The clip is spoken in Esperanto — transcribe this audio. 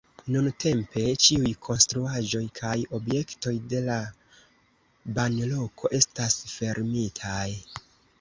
Nuntempe ĉiuj konstruaĵoj kaj objektoj de la banloko estas fermitaj.